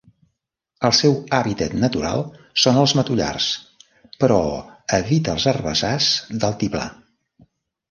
El seu hàbitat natural són els matollars, però evita els herbassars d'altiplà.